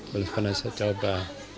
belum pernah saya coba